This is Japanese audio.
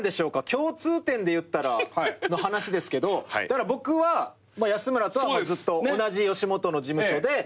共通点でいったらの話ですけどだから僕は安村とはずっと同じ吉本の事務所で。